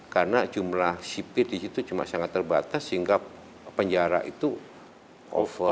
karena jumlah sipir di situ cuma sangat terbatas sehingga penjara itu over